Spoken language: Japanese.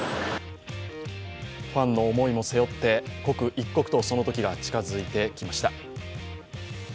ファンの思いも背負って、刻一刻とその時が近づいてきました。